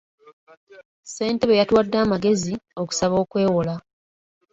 Ssentebe yatuwadde amagezi okusaba okwewola.